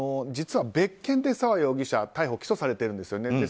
実は別件で沢容疑者は逮捕・起訴されてるんですよね。